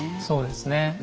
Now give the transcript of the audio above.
そうですね。